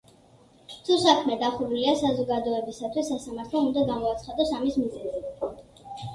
თუ საქმე დახურულია საზოგადოებისათვის, სასამართლომ უნდა გამოაცხადოს ამის მიზეზი.